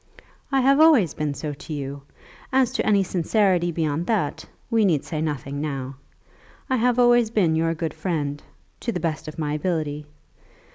"I have always been so to you. As to any sincerity beyond that we need say nothing now. I have always been your good friend, to the best of my ability.